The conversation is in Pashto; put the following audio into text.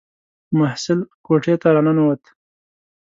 محصل کوټې ته را ننووت.